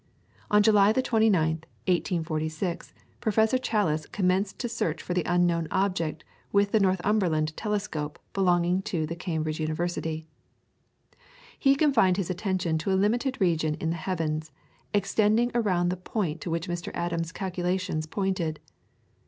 On July the 29th, 1846, Professor Challis commenced to search for the unknown object with the Northumberland telescope belonging to the Cambridge Observatory. He confined his attention to a limited region in the heavens, extending around that point to which Mr. Adams' calculations pointed.